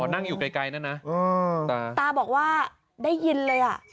อ๋อนั่งอยู่ไกลนั่นนะตาตาบอกว่าได้ยินเลย